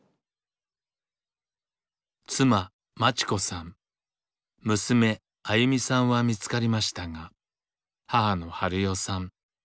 妻まち子さん娘あゆみさんは見つかりましたが母のハルヨさん